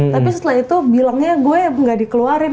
tapi setelah itu bilangnya gue gak dikeluarin